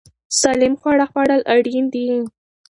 سالم خواړه خوړل اړین دي.